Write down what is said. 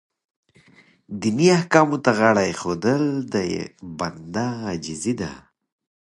دیني احکامو ته غاړه ایښودل د بنده عاجزي ده.